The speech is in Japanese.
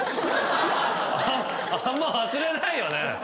あんま忘れないよね。